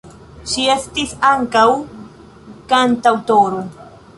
Ŝi estis ankaŭ kantaŭtoro.